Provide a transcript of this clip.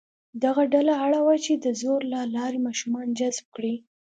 دغه ډله اړ وه چې د زور له لارې ماشومان جذب کړي.